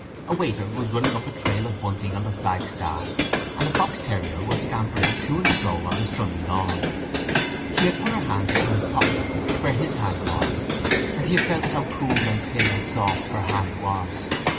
A waiter was running up a trail of bunting on the flagstaff and a fox terrier was scampering to and fro on the sunny lawn. She had put her hand into his pocket where his hand was and he had felt how cool and thin and soft her hand was.